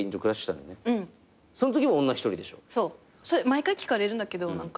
それ毎回聞かれるんだけど。